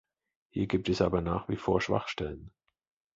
Hier gibt es aber nach wie vor Schwachstellen.